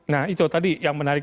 nah itu tadi yang menarik